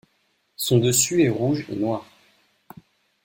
Son dessus est rouge et noir.